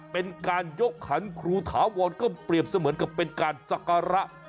เป็นการยกขันครูถาวรก็เปรียบเสมือนกับเป็นการสักการะ